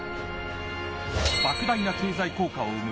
莫大な経済効果を生む